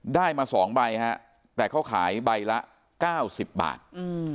ได้มาสองใบฮะแต่เขาขายใบละเก้าสิบบาทอืม